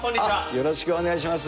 よろしくお願いします。